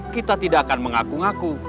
kita tidak akan mengaku ngaku